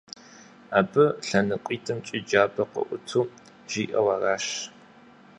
Абы лъэныкъуитӀымкӀи джабэ къыӀуту жиӀэу аращ.